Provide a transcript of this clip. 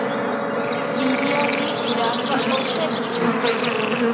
iriani iraka osheki